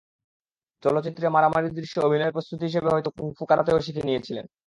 চলচ্চিত্রে মারামারির দৃশ্যে অভিনয়ের প্রস্তুতি হিসেবে হয়তো কুংফু কারাতেও শিখে নিয়েছিলেন।